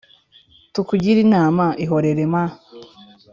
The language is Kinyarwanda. Tukugire inama, ihorereee m